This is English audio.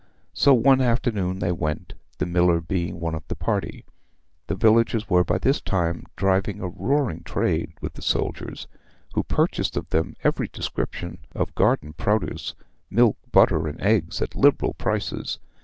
So one afternoon they went, the miller being one of the party. The villagers were by this time driving a roaring trade with the soldiers, who purchased of them every description of garden produce, milk, butter, and eggs at liberal prices.